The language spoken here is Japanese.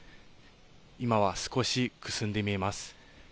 今は少しくすんで見えます。